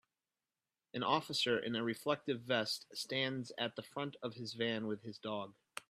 An officer in a reflective vest stands at the front of his van with his dog